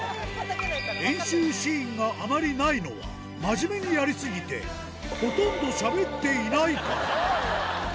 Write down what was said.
練習シーンがあまりないのは、真面目にやりすぎて、ほとんどしゃべっていないから。